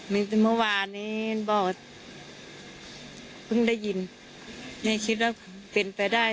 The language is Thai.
มีแต่เมื่อวานนี้บอกว่าเพิ่งได้ยินแม่คิดว่าเป็นไปได้